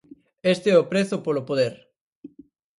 Este é o prezo polo poder.